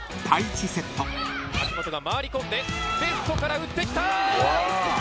秋本が回り込んでレフトから打ってきた！